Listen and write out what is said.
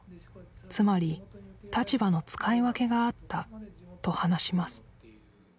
つまり立場の使い分けがあったと話します